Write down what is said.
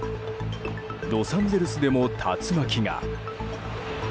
ロサンゼルスでも竜巻が。